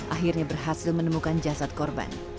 akhirnya berhasil menemukan jasad korban